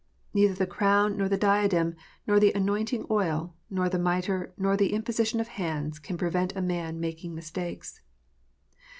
Neither the crown, nor the diadem, nor the anointing oil, nor the mitre, nor the imposition of hands, can prevent a man making mistakes.